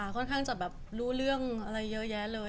ค่อนข้างจะแบบรู้เรื่องอะไรเยอะแยะเลย